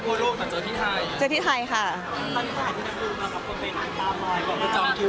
ก็คือพี่ที่อยู่เชียงใหม่พี่ออธค่ะ